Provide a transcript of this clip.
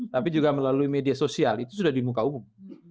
tapi juga melalui media sosial itu sudah di muka umum